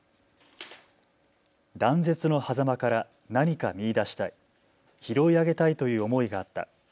断絶の間から何か見いだしたい、拾い上げたいという思いがあった。